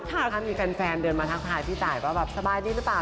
ถ้ามีแฟนเดินมาทักทายพี่ตายว่าแบบสบายดีหรือเปล่า